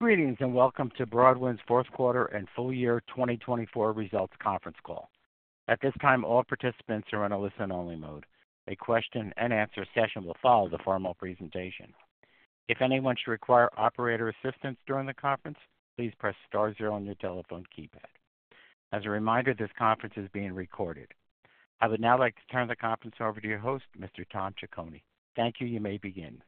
Greetings and welcome to Broadwind's Q4 and full year 2024 results conference call. At this time, all participants are in a listen-only mode. A question-and-answer session will follow the formal presentation. If anyone should require operator assistance during the conference, please press star zero on your telephone keypad. As a reminder, this conference is being recorded. I would now like to turn the conference over to your host, Mr. Tom Ciccone. Thank you. You may begin.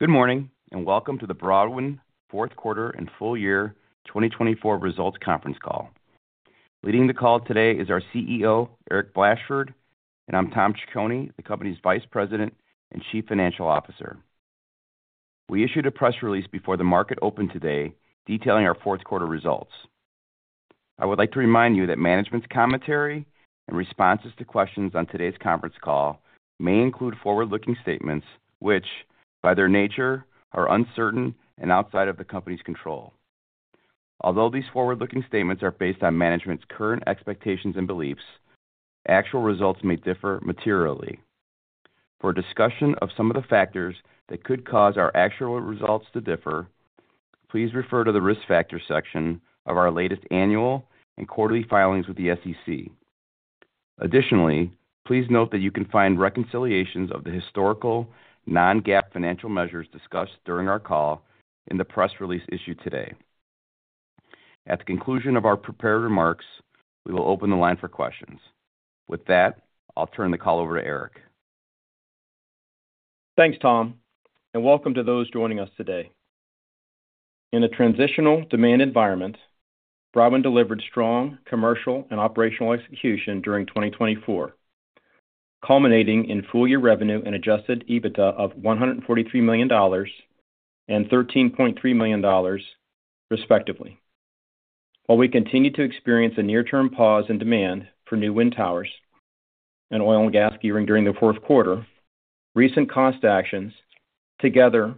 Good morning and welcome to the Broadwind Q4 and full year 2024 results conference call. Leading the call today is our CEO, Eric Blashford, and I'm Tom Ciccone, the company's Vice President and Chief Financial Officer. We issued a press release before the market opened today detailing our Q4 results. I would like to remind you that management's commentary and responses to questions on today's conference call may include forward-looking statements which, by their nature, are uncertain and outside of the company's control. Although these forward-looking statements are based on management's current expectations and beliefs, actual results may differ materially. For a discussion of some of the factors that could cause our actual results to differ, please refer to the Risk Factor section of our latest annual and quarterly filings with the SEC. Additionally, please note that you can find reconciliations of the historical non-GAAP financial measures discussed during our call in the press release issued today. At the conclusion of our prepared remarks, we will open the line for questions. With that, I'll turn the call over to Eric. Thanks, Tom, and welcome to those joining us today. In a transitional demand environment, Broadwind delivered strong commercial and operational execution during 2024, culminating in full year revenue and adjusted EBITDA of $143 million and $13.3 million, respectively. While we continue to experience a near-term pause in demand for new wind towers and oil and gas gearing during the Q4, recent cost actions, together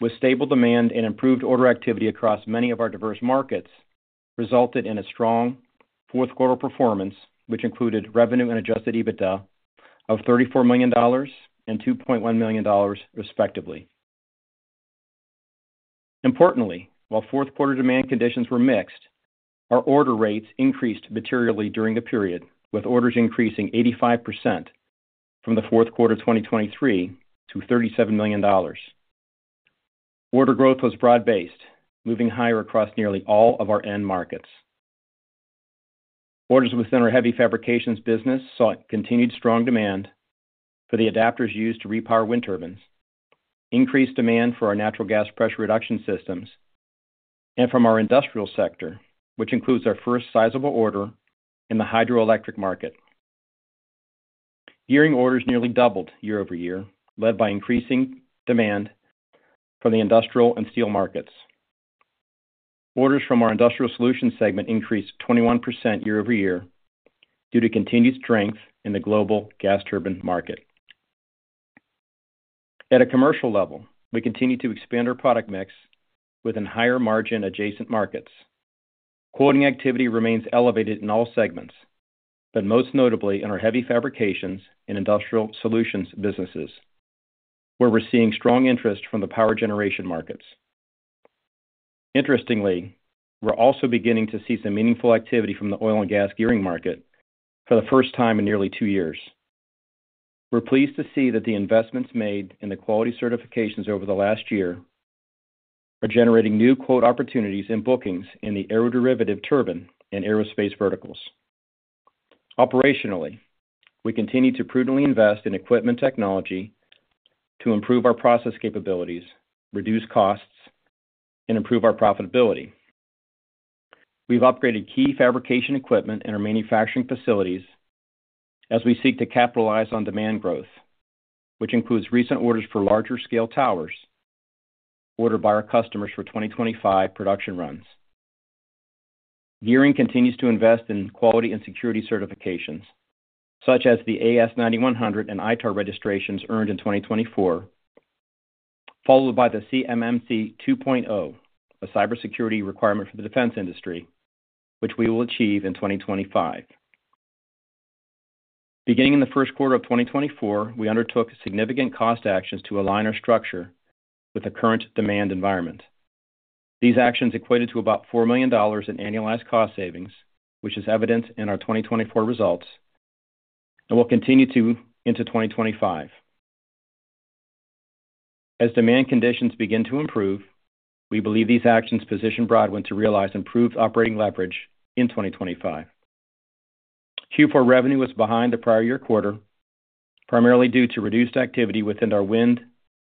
with stable demand and improved order activity across many of our diverse markets, resulted in a strong Q4 performance which included revenue and adjusted EBITDA of $34 million and $2.1 million, respectively. Importantly, while Q4 demand conditions were mixed, our order rates increased materially during the period, with orders increasing 85% from the Q4 of 2023 to $37 million. Order growth was broad-based, moving higher across nearly all of our end markets. Orders within our Heavy Fabrications business saw continued strong demand for the adapters used to repower wind turbines, increased demand for our natural gas pressure reduction systems, and from our industrial sector, which includes our first sizable order in the hydroelectric market. Gearing orders nearly doubled year-over-year, led by increasing demand from the industrial and steel markets. Orders from our Industrial Solutions segment increased 21% year-over-year due to continued strength in the global gas turbine market. At a commercial level, we continue to expand our product mix within higher margin adjacent markets. Quoting activity remains elevated in all segments, but most notably in our Heavy Fabrications and Industrial Solutions businesses, where we're seeing strong interest from the power generation markets. Interestingly, we're also beginning to see some meaningful activity from the oil and gas gearing market for the first time in nearly two years. We're pleased to see that the investments made in the quality certifications over the last year are generating new quote opportunities in bookings in the aeroderivative turbine and aerospace verticals. Operationally, we continue to prudently invest in equipment technology to improve our process capabilities, reduce costs, and improve our profitability. We've upgraded key fabrication equipment in our manufacturing facilities as we seek to capitalize on demand growth, which includes recent orders for larger scale towers ordered by our customers for 2025 production runs. Gearing continues to invest in quality and security certifications such as the AS9100 and ITAR registrations earned in 2024, followed by the CMMC 2.0, a cybersecurity requirement for the defense industry, which we will achieve in 2025. Beginning in the Q1 of 2024, we undertook significant cost actions to align our structure with the current demand environment. These actions equated to about $4 million in annualized cost savings, which is evident in our 2024 results and will continue into 2025. As demand conditions begin to improve, we believe these actions position Broadwind to realize improved operating leverage in 2025. Q4 revenue was behind the prior year quarter, primarily due to reduced activity within our wind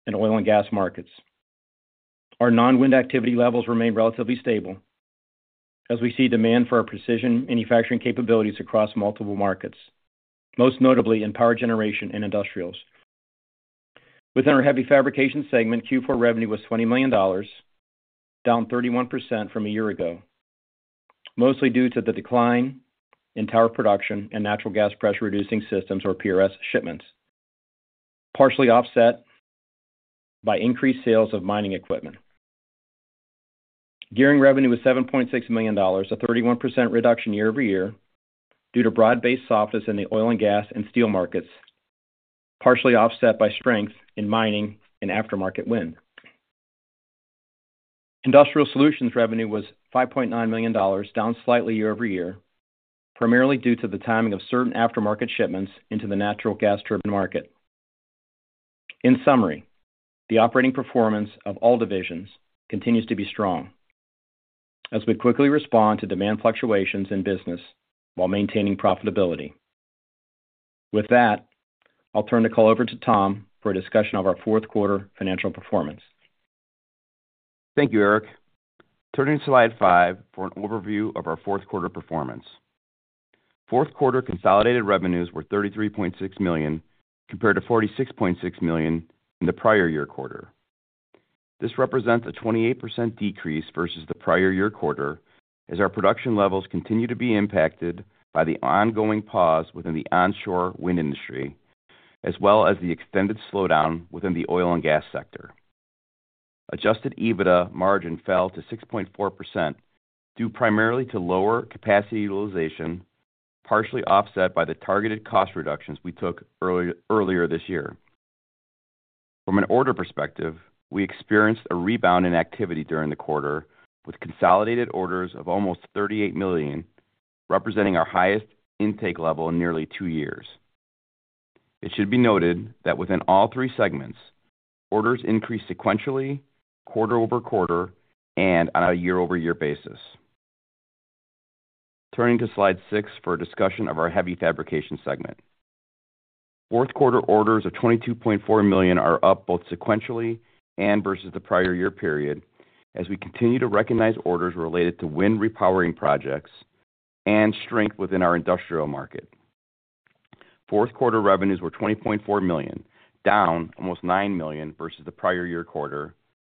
and oil and gas markets. Our non-wind activity levels remain relatively stable as we see demand for our precision manufacturing capabilities across multiple markets, most notably in power generation and industrials. Within our Heavy Fabrication segment, Q4 revenue was $20 million, down 31% from a year ago, mostly due to the decline in tower production and natural gas pressure-reducing systems, or PRS, shipments, partially offset by increased sales of mining equipment. Gearing revenue was $7.6 million, a 31% reduction year-over-year due to broad-based softness in the oil and gas and steel markets, partially offset by strength in mining and aftermarket wind. Industrial Solutions revenue was $5.9 million, down slightly year-over-year, primarily due to the timing of certain aftermarket shipments into the natural gas turbine market. In summary, the operating performance of all divisions continues to be strong as we quickly respond to demand fluctuations in business while maintaining profitability. With that, I'll turn the call over to Tom for a discussion of our Q4 financial performance. Thank you, Eric. Turning to slide five for an overview of our Q4 performance. Q4 consolidated revenues were $33.6 million compared to $46.6 million in the prior year quarter. This represents a 28% decrease versus the prior year quarter as our production levels continue to be impacted by the ongoing pause within the onshore wind industry, as well as the extended slowdown within the oil and gas sector. Adjusted EBITDA margin fell to 6.4% due primarily to lower capacity utilization, partially offset by the targeted cost reductions we took earlier this year. From an order perspective, we experienced a rebound in activity during the quarter with consolidated orders of almost $38 million, representing our highest intake level in nearly two years. It should be noted that within all three segments, orders increased sequentially quarter over quarter and on a year-over-year basis. Turning to slide six for a discussion of our Heavy Fabrication segment. Q4 orders of $22.4 million are up both sequentially and versus the prior year period as we continue to recognize orders related to wind repowering projects and strength within our industrial market. Q4 revenues were $20.4 million, down almost $9 million versus the prior year quarter,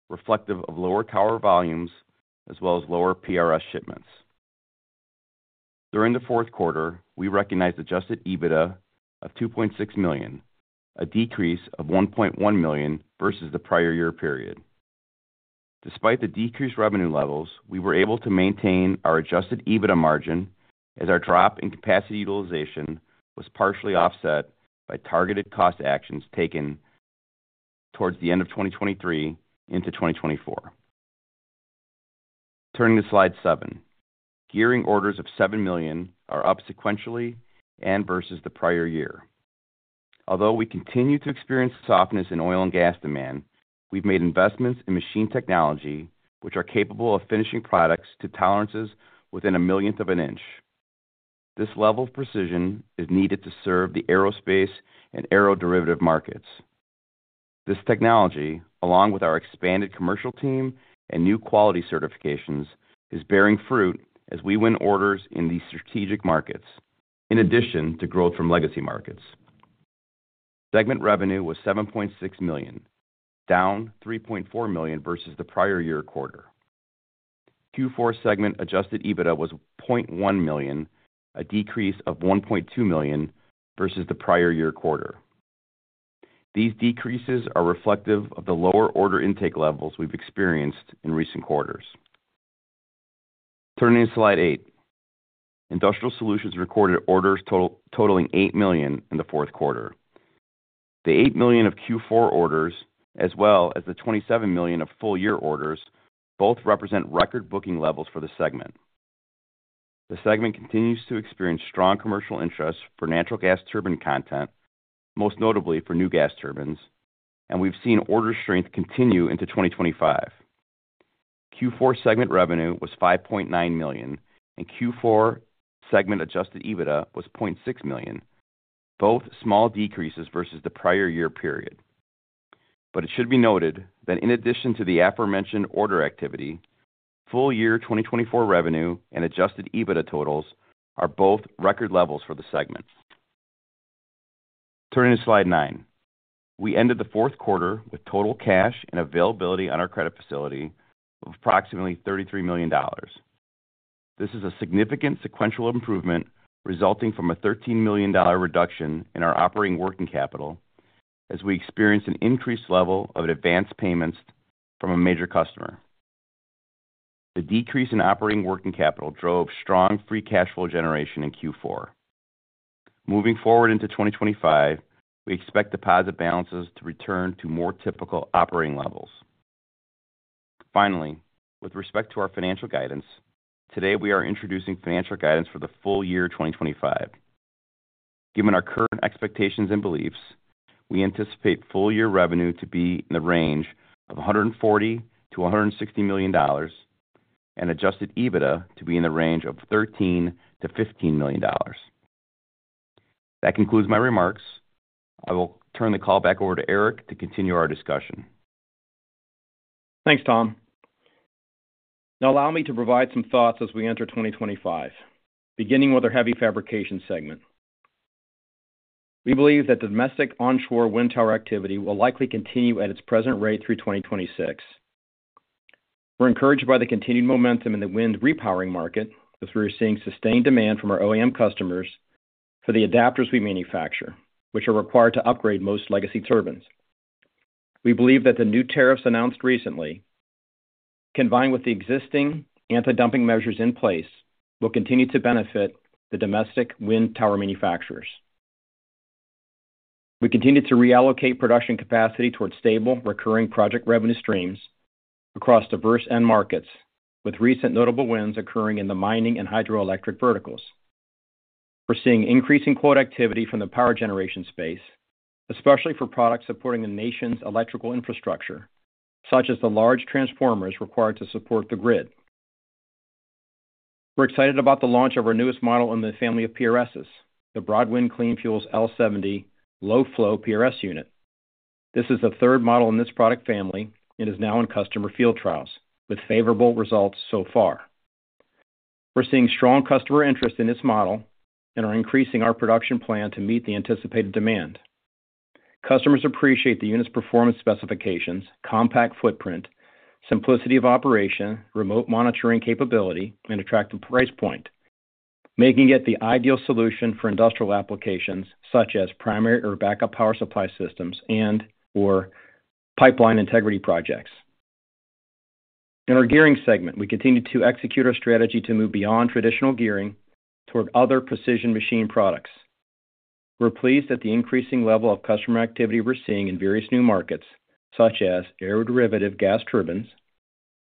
reflective of lower tower volumes as well as lower PRS shipments. During the Q4, we recognized adjusted EBITDA of $2.6 million, a decrease of $1.1 million versus the prior year period. Despite the decreased revenue levels, we were able to maintain our adjusted EBITDA margin as our drop in capacity utilization was partially offset by targeted cost actions taken towards the end of 2023 into 2024. Turning to slide seven, Gearing orders of $7 million are up sequentially and versus the prior year. Although we continue to experience softness in oil and gas demand, we've made investments in machine technology which are capable of finishing products to tolerances within a millionth of an inch. This level of precision is needed to serve the aerospace and aeroderivative markets. This technology, along with our expanded commercial team and new quality certifications, is bearing fruit as we win orders in these strategic markets, in addition to growth from legacy markets. Segment revenue was $7.6 million, down $3.4 million versus the prior year quarter. Q4 segment adjusted EBITDA was $0.1 million, a decrease of $1.2 million versus the prior year quarter. These decreases are reflective of the lower order intake levels we've experienced in recent quarters. Turning to slide eight, Industrial Solutions recorded orders totaling $8 million in the Q4. The $8 million of Q4 orders, as well as the $27 million of full year orders, both represent record booking levels for the segment. The segment continues to experience strong commercial interest for natural gas turbine content, most notably for new gas turbines, and we've seen order strength continue into 2025. Q4 segment revenue was $5.9 million, and Q4 segment adjusted EBITDA was $0.6 million, both small decreases versus the prior year period. It should be noted that in addition to the aforementioned order activity, full year 2024 revenue and adjusted EBITDA totals are both record levels for the segment. Turning to slide nine, we ended the Q4 with total cash and availability on our credit facility of approximately $33 million. This is a significant sequential improvement resulting from a $13 million reduction in our operating working capital as we experience an increased level of advanced payments from a major customer. The decrease in operating working capital drove strong free cash flow generation in Q4. Moving forward into 2025, we expect deposit balances to return to more typical operating levels. Finally, with respect to our financial guidance, today we are introducing financial guidance for the full year 2025. Given our current expectations and beliefs, we anticipate full year revenue to be in the range of $140 million to 160 million and adjusted EBITDA to be in the range of $13 million to 15 million. That concludes my remarks. I will turn the call back over to Eric to continue our discussion. Thanks, Tom. Now allow me to provide some thoughts as we enter 2025, beginning with our Heavy Fabrication segment. We believe that the domestic onshore wind tower activity will likely continue at its present rate through 2026. We're encouraged by the continued momentum in the wind repowering market as we're seeing sustained demand from our OEM customers for the adapters we manufacture, which are required to upgrade most legacy turbines. We believe that the new tariffs announced recently, combined with the existing anti-dumping measures in place, will continue to benefit the domestic wind tower manufacturers. We continue to reallocate production capacity towards stable recurring project revenue streams across diverse end markets, with recent notable wins occurring in the mining and hydroelectric verticals. We're seeing increasing quote activity from the power generation space, especially for products supporting the nation's electrical infrastructure, such as the large transformers required to support the grid. We're excited about the launch of our newest model in the family of PRSs, the Broadwind Clean Fuels L70 Low Flow PRS unit. This is the third model in this product family and is now in customer field trials with favorable results so far. We're seeing strong customer interest in this model and are increasing our production plan to meet the anticipated demand. Customers appreciate the unit's performance specifications, compact footprint, simplicity of operation, remote monitoring capability, and attractive price point, making it the ideal solution for industrial applications such as primary or backup power supply systems and/or pipeline integrity projects. In our Gearing segment, we continue to execute our strategy to move beyond traditional gearing toward other precision machine products. We're pleased at the increasing level of customer activity we're seeing in various new markets, such as aeroderivative gas turbines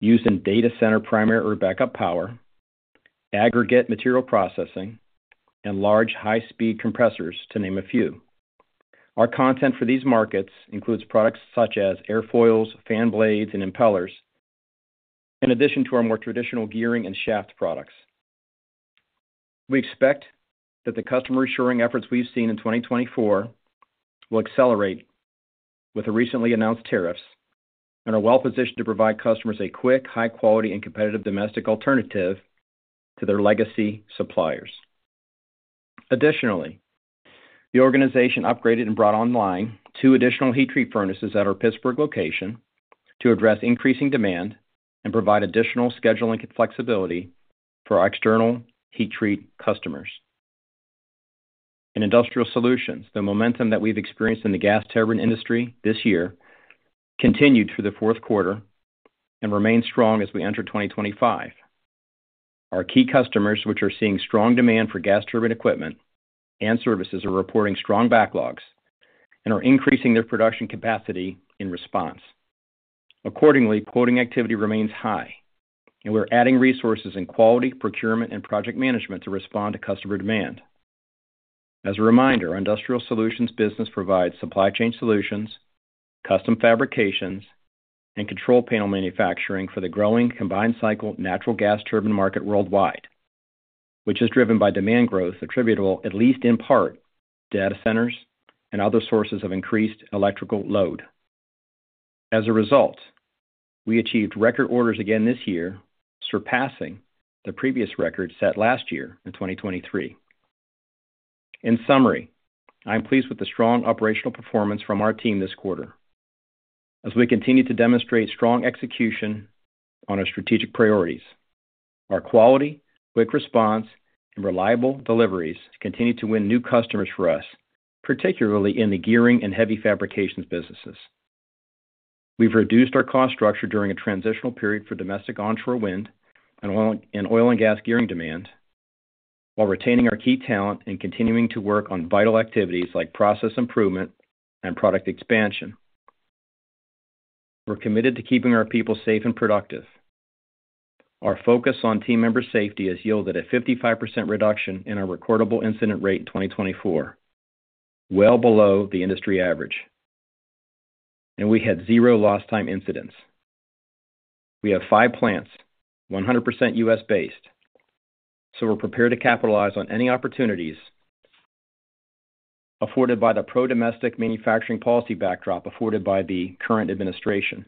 used in data center primary or backup power, aggregate material processing, and large high-speed compressors, to name a few. Our content for these markets includes products such as airfoils, fan blades, and impellers, in addition to our more traditional gearing and shaft products. We expect that the customer onshoring efforts we've seen in 2024 will accelerate with the recently announced tariffs and are well-positioned to provide customers a quick, high-quality, and competitive domestic alternative to their legacy suppliers. Additionally, the organization upgraded and brought online two additional heat treat furnaces at our Pittsburgh location to address increasing demand and provide additional scheduling flexibility for our external heat treat customers. In Industrial Solutions, the momentum that we've experienced in the gas turbine industry this year continued through the Q4 and remained strong as we enter 2025. Our key customers, which are seeing strong demand for gas turbine equipment and services, are reporting strong backlogs and are increasing their production capacity in response. Accordingly, quoting activity remains high, and we're adding resources in quality, procurement, and project management to respond to customer demand. As a reminder, our Industrial Solutions business provides supply chain solutions, custom fabrications, and control panel manufacturing for the growing combined cycle natural gas turbine market worldwide, which is driven by demand growth attributable at least in part to data centers and other sources of increased electrical load. As a result, we achieved record orders again this year, surpassing the previous record set last year in 2023. In summary, I'm pleased with the strong operational performance from our team this quarter as we continue to demonstrate strong execution on our strategic priorities. Our quality, quick response, and reliable deliveries continue to win new customers for us, particularly in the Gearing and Heavy Fabrications businesses. We've reduced our cost structure during a transitional period for domestic onshore wind and oil and gas gearing demand while retaining our key talent and continuing to work on vital activities like process improvement and product expansion. We're committed to keeping our people safe and productive. Our focus on team member safety has yielded a 55% reduction in our recordable incident rate in 2024, well below the industry average, and we had zero lost-time incidents. We have five plants, 100% U.S.-based, so we're prepared to capitalize on any opportunities afforded by the pro-domestic manufacturing policy backdrop afforded by the current administration.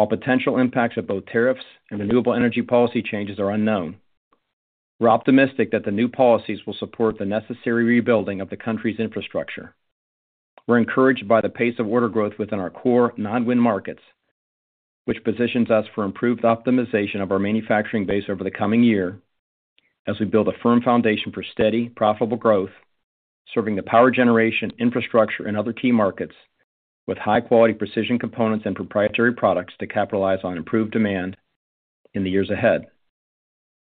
While potential impacts of both tariffs and renewable energy policy changes are unknown, we're optimistic that the new policies will support the necessary rebuilding of the country's infrastructure. We're encouraged by the pace of order growth within our core non-wind markets, which positions us for improved optimization of our manufacturing base over the coming year as we build a firm foundation for steady, profitable growth, serving the power generation, infrastructure, and other key markets with high-quality precision components and proprietary products to capitalize on improved demand in the years ahead.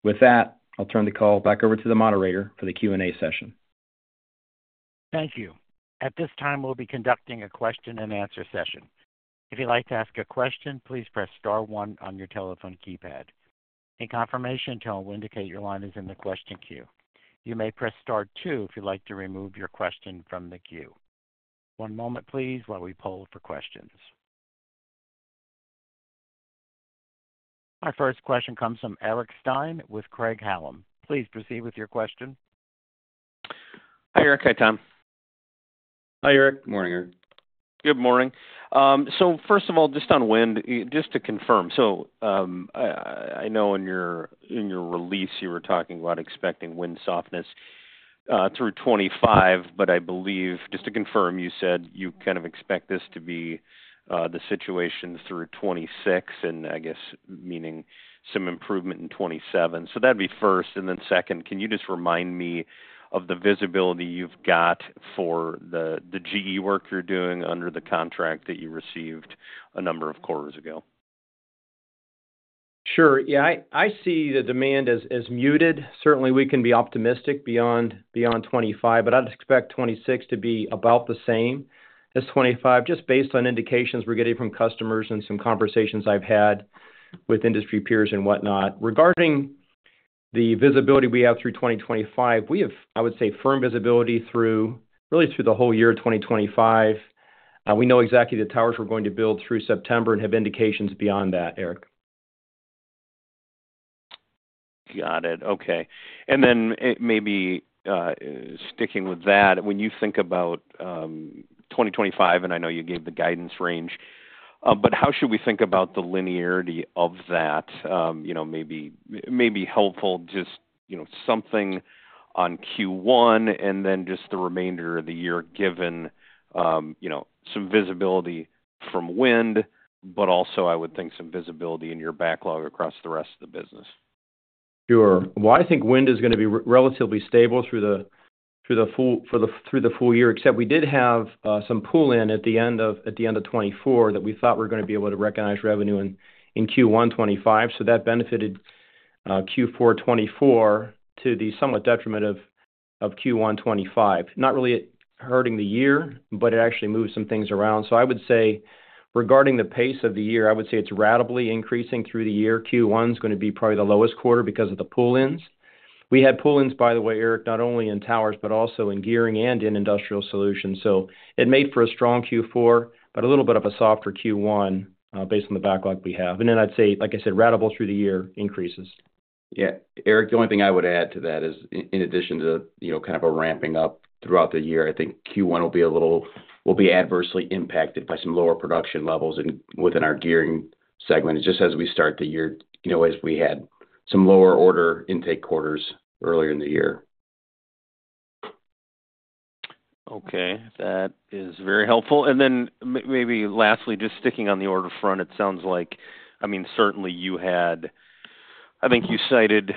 With that, I'll turn the call back over to the moderator for the Q&A session. Thank you. At this time, we'll be conducting a question-and-answer session. If you'd like to ask a question, please press star one on your telephone keypad. In confirmation, a tone will indicate your line is in the question queue. You may press star two if you'd like to remove your question from the queue. One moment, please, while we poll for questions. Our first question comes from Eric Stine with Craig-Hallum. Please proceed with your question. Hi, Eric. Hi, Tom. Hi, Eric. Good morning, Eric. Good morning. First of all, just on wind, just to confirm, I know in your release you were talking about expecting wind softness through 2025, but I believe just to confirm, you said you kind of expect this to be the situation through 2026, and I guess meaning some improvement in 2027. That would be first. Second, can you just remind me of the visibility you've got for the GE work you're doing under the contract that you received a number of quarters ago? Sure. Yeah, I see the demand as muted. Certainly, we can be optimistic beyond 2025, but I'd expect 2026 to be about the same as 2025, just based on indications we're getting from customers and some conversations I've had with industry peers and whatnot. Regarding the visibility we have through 2025, we have, I would say, firm visibility really through the whole year of 2025. We know exactly the towers we're going to build through September and have indications beyond that, Eric. Got it. Okay. Maybe sticking with that, when you think about 2025, and I know you gave the guidance range, how should we think about the linearity of that? Maybe helpful just something on Q1 and then just the remainder of the year given some visibility from wind, but also, I would think, some visibility in your backlog across the rest of the business. Sure. I think wind is going to be relatively stable through the full year, except we did have some pull-in at the end of 2024 that we thought we were going to be able to recognize revenue in Q1 2025. That benefited Q4 2024 to the somewhat detriment of Q1 2025. Not really hurting the year, but it actually moved some things around. I would say, regarding the pace of the year, it's radically increasing through the year. Q1 is going to be probably the lowest quarter because of the pull-ins. We had pull-ins, by the way, Eric, not only in towers but also in Gearing and in Industrial Solutions. It made for a strong Q4, but a little bit of a softer Q1 based on the backlog we have. I would say, like I said, radical through the year increases. Yeah. Eric, the only thing I would add to that is, in addition to kind of a ramping up throughout the year, I think Q1 will be adversely impacted by some lower production levels within our Gearing segment, just as we start the year, as we had some lower order intake quarters earlier in the year. Okay. That is very helpful. Then maybe lastly, just sticking on the order front, it sounds like, I mean, certainly you had, I think you cited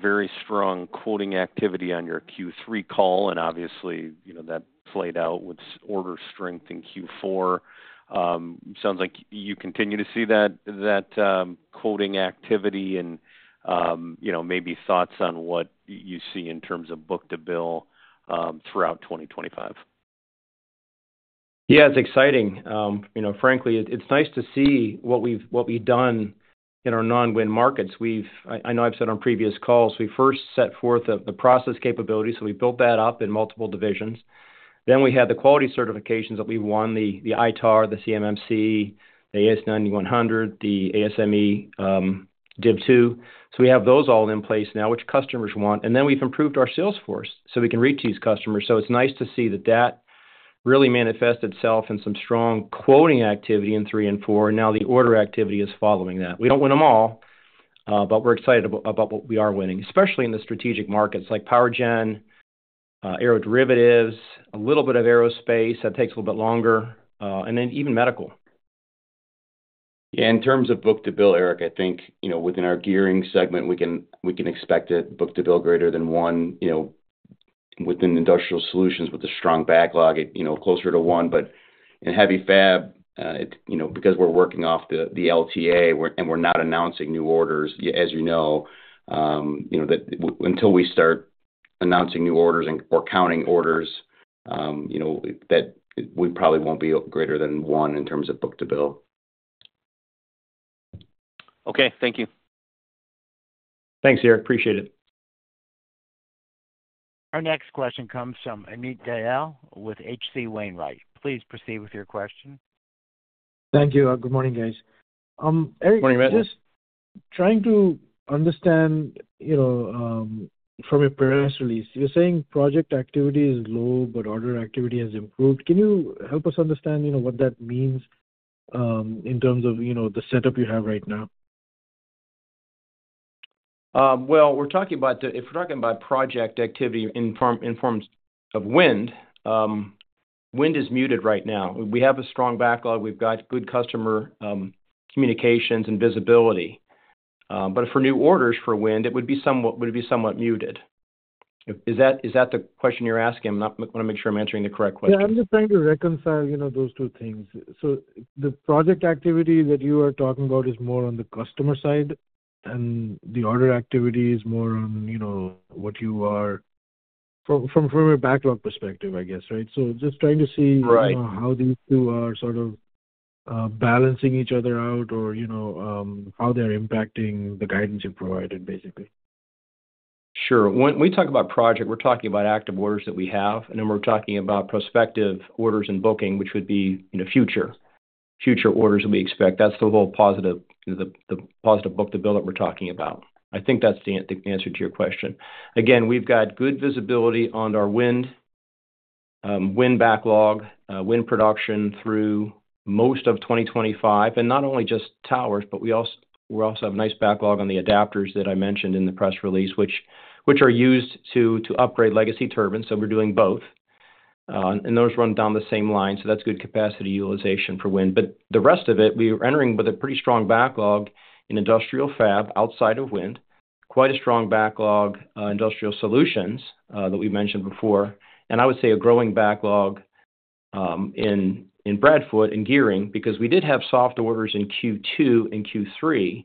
very strong quoting activity on your Q3 call, and obviously, that played out with order strength in Q4. Sounds like you continue to see that quoting activity and maybe thoughts on what you see in terms of book-to-bill throughout 2025. Yeah, it's exciting. Frankly, it's nice to see what we've done in our non-wind markets. I know I've said on previous calls, we first set forth the process capability, so we built that up in multiple divisions. Then we had the quality certifications that we've won, the ITAR, the CMMC, the AS9100, the ASME Division 2. We have those all in place now, which customers want. We have improved our sales force so we can reach these customers. It's nice to see that that really manifests itself in some strong quoting activity in three and four, and now the order activity is following that. We don't win them all, but we're excited about what we are winning, especially in the strategic markets like power gen, aeroderivatives, a little bit of aerospace. That takes a little bit longer. Even medical. Yeah. In terms of book-to-bill, Eric, I think within our Gearing segment, we can expect a book-to-bill greater than one. Within Industrial Solutions, with a strong backlog, closer to one. In Heavy Fab, because we're working off the LTA and we're not announcing new orders, as you know, until we start announcing new orders or counting orders, we probably won't be greater than one in terms of book-to-bill. Okay. Thank you. Thanks, Eric. Appreciate it. Our next question comes from Amit Dayal with H.C. Wainwright. Please proceed with your question. Thank you. Good morning, guys. Eric. Morning, Amit. Just trying to understand from your press release, you're saying project activity is low, but order activity has improved. Can you help us understand what that means in terms of the setup you have right now? If we're talking about project activity in terms of wind, wind is muted right now. We have a strong backlog. We've got good customer communications and visibility. For new orders for wind, it would be somewhat muted. Is that the question you're asking? I want to make sure I'm answering the correct question. Yeah. I'm just trying to reconcile those two things. The project activity that you are talking about is more on the customer side, and the order activity is more on what you are from a backlog perspective, I guess, right? Just trying to see how these two are sort of balancing each other out or how they're impacting the guidance you've provided, basically. Sure. When we talk about project, we're talking about active orders that we have, and then we're talking about prospective orders and booking, which would be future orders that we expect. That's the whole positive book-to-bill that we're talking about. I think that's the answer to your question. Again, we've got good visibility on our wind backlog, wind production through most of 2025. Not only just towers, but we also have a nice backlog on the adapters that I mentioned in the press release, which are used to upgrade legacy turbines. We're doing both. Those run down the same line. That's good capacity utilization for wind. The rest of it, we are entering with a pretty strong backlog in industrial fab outside of wind, quite a strong backlog, Industrial Solutions that we mentioned before. I would say a growing backlog in Broadwind and Gearing because we did have soft orders in Q2 and Q3,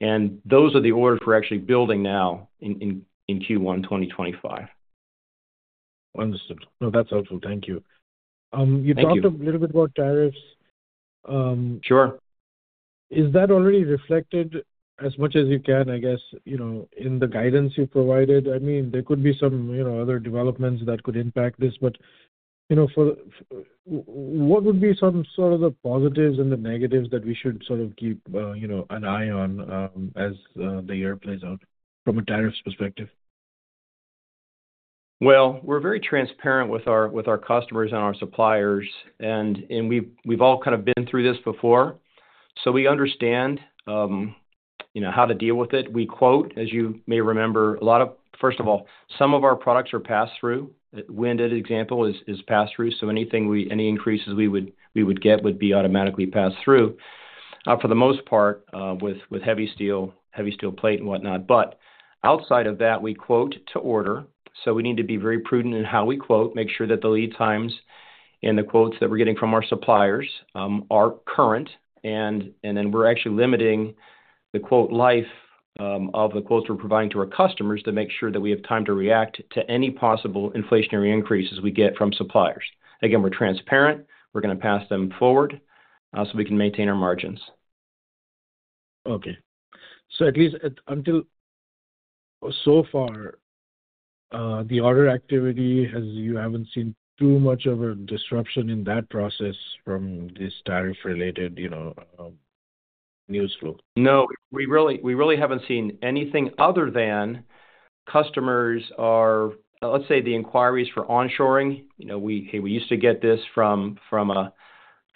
and those are the orders we're actually building now in Q1 2025. Understood. No, that's helpful. Thank you. You talked a little bit about tariffs— Sure. Is that already reflected as much as you can, I guess, in the guidance you provided? I mean, there could be some other developments that could impact this, but what would be some sort of the positives and the negatives that we should sort of keep an eye on as the year plays out from a tariff perspective? We are very transparent with our customers and our suppliers, and we have all kind of been through this before. We understand how to deal with it. We quote, as you may remember, a lot of, first of all, some of our products are pass-through. Wind, as an example, is pass-through. Any increases we would get would be automatically passed through for the most part with heavy steel, heavy steel plate and whatnot. But outside of that, we quote to order. We need to be very prudent in how we quote, make sure that the lead times and the quotes that we are getting from our suppliers are current. We are actually limiting the quote life of the quotes we are providing to our customers to make sure that we have time to react to any possible inflationary increases we get from suppliers. Again, we are transparent. We're going to pass them forward so we can maintain our margins. Okay. So at least so far, the order activity, you haven't seen too much of a disruption in that process from this tariff-related news flow? No. We really haven't seen anything other than customers are, let's say, the inquiries for onshoring. We used to get this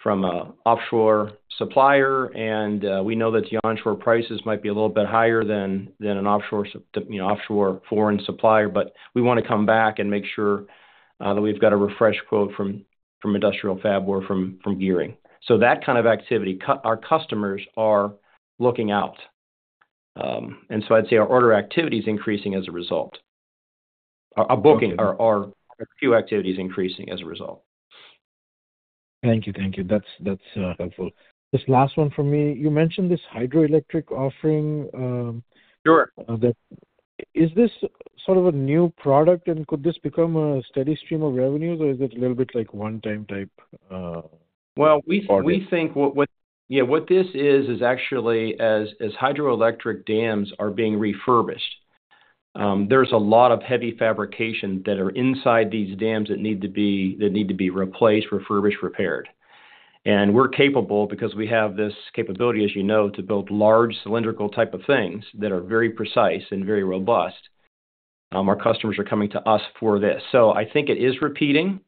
from an offshore supplier, and we know that the onshore prices might be a little bit higher than an offshore foreign supplier, but we want to come back and make sure that we've got a refreshed quote from industrial fab or from Gearing. That kind of activity, our customers are looking out. I'd say our order activity is increasing as a result. Our booking, our queue activity is increasing as a result. Thank you. Thank you. That's helpful. This last one for me, you mentioned this hydroelectric offering— Sure. Is this sort of a new product, and could this become a steady stream of revenues, or is it a little bit like one-time type of order? Yeah, what this is, is actually as hydroelectric dams are being refurbished, there's a lot of heavy fabrication that are inside these dams that need to be replaced, refurbished, repaired. And we're capable, because we have this capability, as you know, to build large cylindrical type of things that are very precise and very robust. Our customers are coming to us for this. I think it is repeating.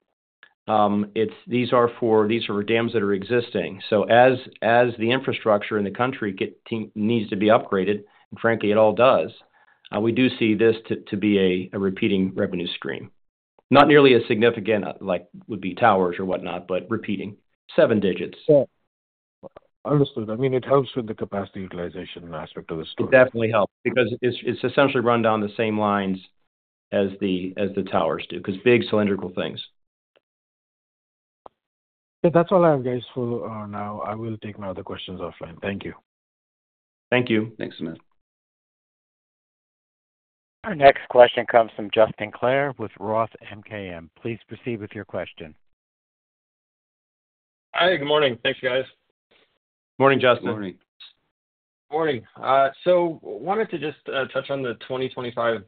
These are for dams that are existing. As the infrastructure in the country needs to be upgraded, and frankly, it all does, we do see this to be a repeating revenue stream. Not nearly as significant like would be towers or whatnot, but repeating. Seven digits. Yeah. Understood. I mean, it helps with the capacity utilization aspect of the story. It definitely helps because it's essentially run down the same lines as the towers do because big cylindrical things. Yeah. That's all I have, guys, for now. I will take my other questions offline. Thank you. Thank you. Thanks, Amit. Our next question comes from Justin Clare with Roth MKM. Please proceed with your question. Hi. Good morning. Thanks, guys. Morning, Justin. Good morning. Morning. I wanted to just touch on the 2025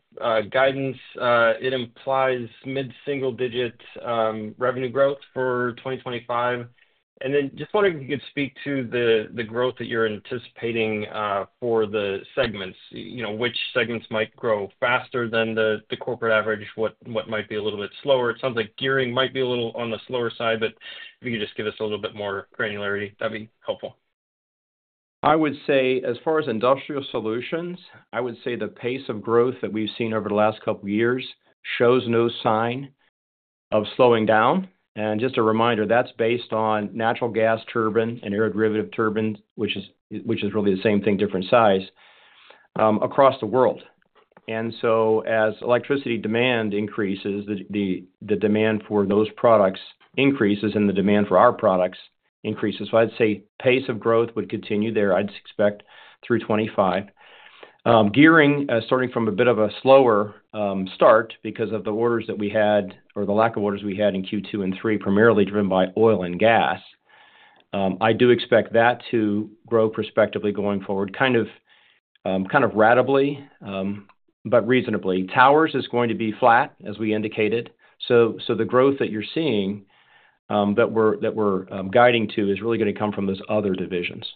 guidance. It implies mid-single-digit revenue growth for 2025. I am just wondering if you could speak to the growth that you're anticipating for the segments, which segments might grow faster than the corporate average, what might be a little bit slower. It sounds like Gearing might be a little on the slower side, but if you could just give us a little bit more granularity, that'd be helpful. I would say, as far as Industrial Solutions, I would say the pace of growth that we've seen over the last couple of years shows no sign of slowing down. Just a reminder, that's based on natural gas turbine and aeroderivative turbines, which is really the same thing, different size, across the world. As electricity demand increases, the demand for those products increases, and the demand for our products increases. I'd say pace of growth would continue there, I'd expect, through 2025. Gearing, starting from a bit of a slower start because of the orders that we had or the lack of orders we had in Q2 and 3, primarily driven by oil and gas, I do expect that to grow prospectively going forward, kind of radically but reasonably. Towers is going to be flat, as we indicated. The growth that you're seeing that we're guiding to is really going to come from those other divisions.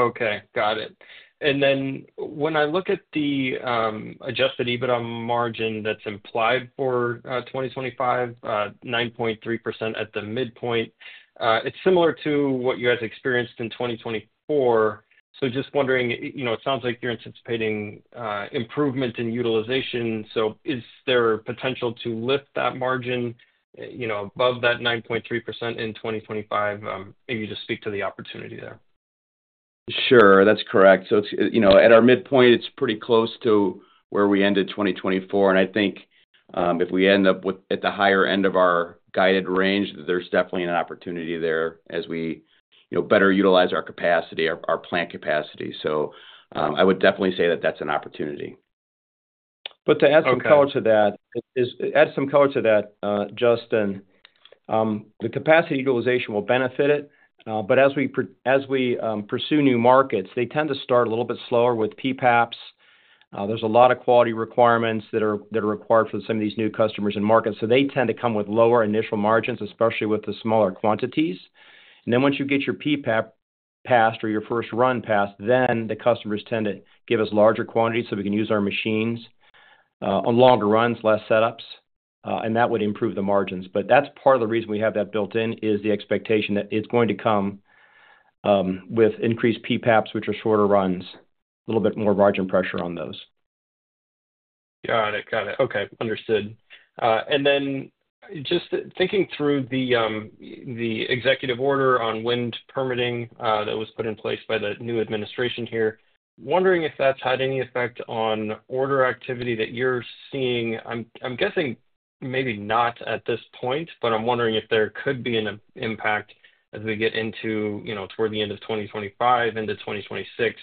Okay. Got it. When I look at the adjusted EBITDA margin that's implied for 2025, 9.3% at the midpoint, it's similar to what you guys experienced in 2024. Just wondering, it sounds like you're anticipating improvement in utilization. Is there potential to lift that margin above that 9.3% in 2025? Maybe just speak to the opportunity there. Sure. That's correct. At our midpoint, it's pretty close to where we ended 2024. I think if we end up at the higher end of our guided range, there's definitely an opportunity there as we better utilize our capacity, our plant capacity. I would definitely say that that's an opportunity. To add some color to that, Justin, the capacity utilization will benefit it. As we pursue new markets, they tend to start a little bit slower with PPAPs. There are a lot of quality requirements that are required for some of these new customers and markets. They tend to come with lower initial margins, especially with the smaller quantities. Once you get your PPAP passed or your first run passed, the customers tend to give us larger quantities so we can use our machines on longer runs, less setups. That would improve the margins. That is part of the reason we have that built in, the expectation that it is going to come with increased PPAPs, which are shorter runs, a little bit more margin pressure on those. Got it. Got it. Okay. Understood. Just thinking through the executive order on wind permitting that was put in place by the new administration here, wondering if that's had any effect on order activity that you're seeing. I'm guessing maybe not at this point, but I'm wondering if there could be an impact as we get into toward the end of 2025, end of 2026.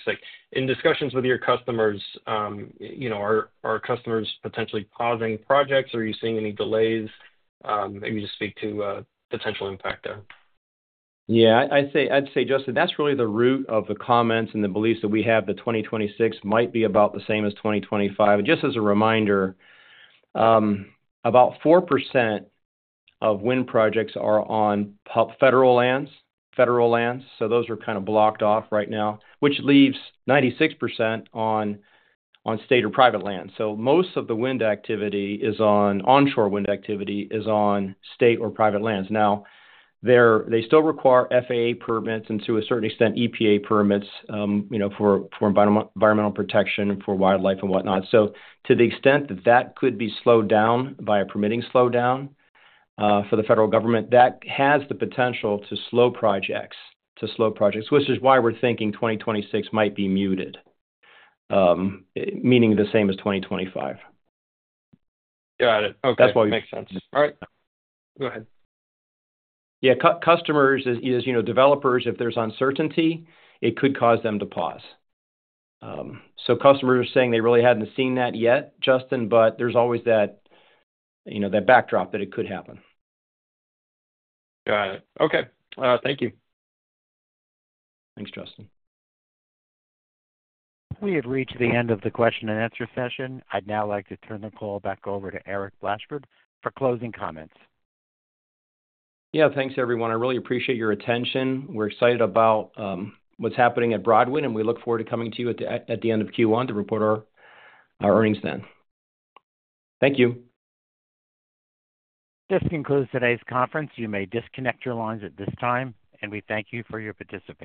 In discussions with your customers, are customers potentially pausing projects? Are you seeing any delays? Maybe just speak to potential impact there. Yeah. I'd say, Justin, that's really the root of the comments and the beliefs that we have that 2026 might be about the same as 2025. Just as a reminder, about 4% of wind projects are on federal lands, federal lands. Those are kind of blocked off right now, which leaves 96% on state or private land. Most of the wind activity, onshore wind activity, is on state or private lands. They still require FAA permits and, to a certain extent, EPA permits for environmental protection, for wildlife and whatnot. To the extent that that could be slowed down by a permitting slowdown for the federal government, that has the potential to slow projects, which is why we're thinking 2026 might be muted, meaning the same as 2025. Got it. Okay. That makes sense. All right. Go ahead. Yeah. Customers, as developers, if there's uncertainty, it could cause them to pause. Customers are saying they really hadn't seen that yet, Justin, but there's always that backdrop that it could happen. Got it. Okay. Thank you. Thanks, Justin. We have reached the end of the question-and-answer session. I'd now like to turn the call back over to Eric Blashford for closing comments. Yeah. Thanks, everyone. I really appreciate your attention. We're excited about what's happening at Broadwind, and we look forward to coming to you at the end of Q1 to report our earnings then. Thank you. This concludes today's conference. You may disconnect your lines at this time, and we thank you for your participation.